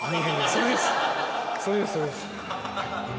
それですそれです。